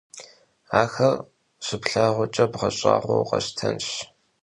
Axer şıplhağuç'e bğeş'ağueu vukheştenş!